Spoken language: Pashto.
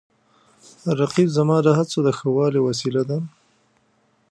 رقیب زما د هڅو د ښه والي وسیله ده